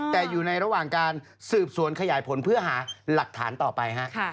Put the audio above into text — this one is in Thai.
แต่อยู่ในระหว่างการสืบสวนขยายผลเพื่อหาหลักฐานต่อไปฮะ